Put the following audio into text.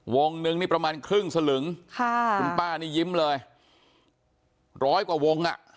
วงนึงนี่ประมาณครึ่งสลึงค่ะคุณป้านี่ยิ้มเลยร้อยกว่าวงอ่ะ